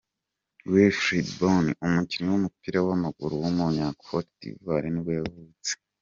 Wilfried Bony, umukinnyi w’umupira w’amaguru w’umunyakote d’ivoire nibwo yavutse.